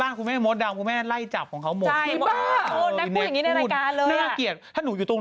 น้องดู